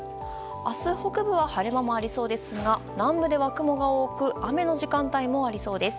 明日、北部は晴れ間もありそうですが南部では雲が多く雨の時間帯もありそうです。